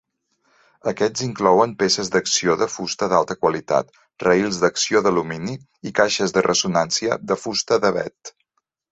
Aquests inclouen peces d'acció de fusta d'alta qualitat, rails d'acció d'alumini i caixes de ressonància de fusta d"avet.